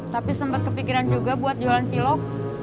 tapi sempat kepikiran juga buat jualan cilok